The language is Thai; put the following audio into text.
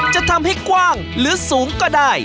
จะทำให้กว้างหรือสูงก็ได้